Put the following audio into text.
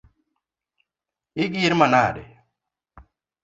Igir manade?